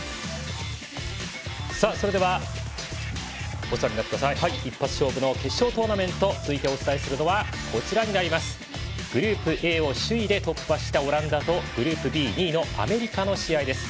それでは、一発勝負の決勝トーナメント続いてお伝えするのはグループＡを首位で突破したオランダとグループＢ、２位のアメリカの試合です。